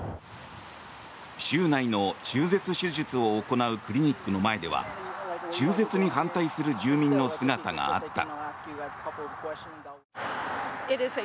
州内の中絶手術を行うクリニックの前では中絶に反対する住民の姿があった。